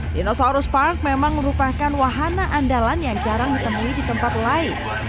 dinosaurus park memang merupakan wahana andalan yang jarang ditemui di tempat lain